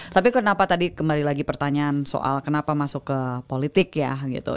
tapi kenapa tadi kembali lagi pertanyaan soal kenapa masuk ke politik ya gitu